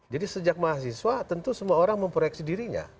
jadi sejak mahasiswa tentu semua orang memproyeksi dirinya